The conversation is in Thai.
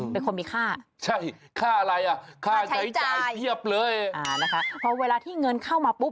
เพราะเวลาเงินเข้ามาปุ๊บ